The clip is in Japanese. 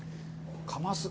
カマス。